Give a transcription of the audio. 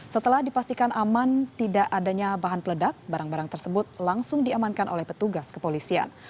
setelah dipastikan aman tidak adanya bahan peledak barang barang tersebut langsung diamankan oleh petugas kepolisian